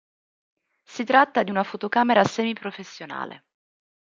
Si tratta di una fotocamera semi-professionale.